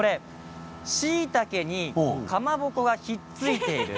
しいたけに、かまぼこがひっついている。